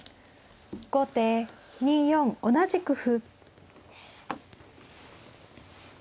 後手２四同じく歩。